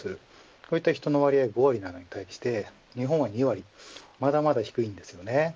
こういった人の割合が５割に対して、日本は２割まだまだ低いです。